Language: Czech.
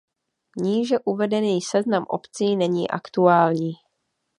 Níže uvedený seznam obcí není aktuální.